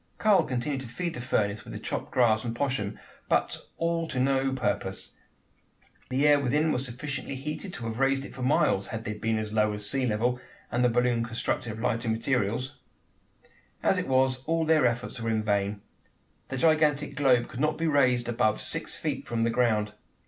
Karl continued to feed the furnace with the chopped grass and poshm, but all to no purpose. The air within was sufficiently heated to have raised it for miles had they only been as low as the sea level, and the balloon constructed of lighter materials. As it was, all their efforts were in vain. The gigantic globe could not be raised above six feet from the ground.